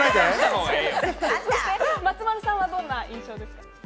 松丸さんはどんな印象ですか？